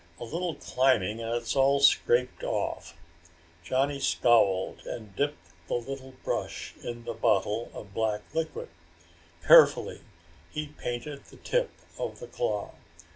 A little climbing and it's all scraped off." Johnny scowled and dipped the little brush in the bottle of black liquid. Carefully he painted the tip of the claw.